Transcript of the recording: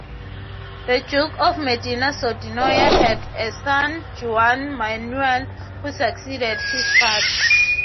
The Duke of Medina Sidonia had a son, Juan Manuel, who succeeded his father.